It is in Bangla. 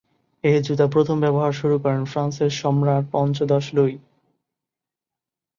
এ জুতা প্রথম ব্যবহার শুরু করেন ফ্রান্সের সম্রাট পঞ্চদশ লুই।